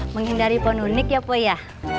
menghindari ponunik ya bu ya